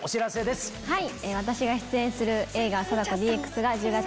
私が出演する映画。